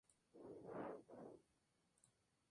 Le sigue la serie "Oki Doki".